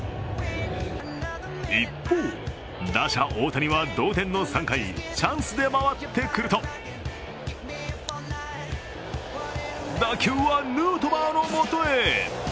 一方、打者・大谷は同点の３回チャンスで回ってくると打球はヌートバーのもとへ。